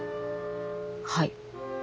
はい。